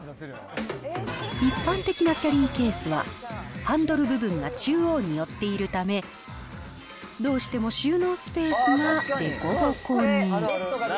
一般的なキャリーケースは、ハンドル部分が中央に寄っているため、どうしても収納スペースが凸凹に。